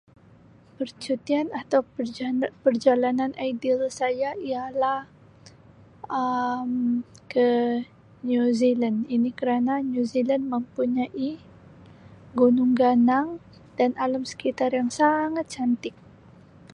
Percutian atau perjala-perjalanan ideal saya ialah Um ke New Zealand ini kerana New Zealand mempunyai gunung ganang dan alam sekitar yang sangat cantik.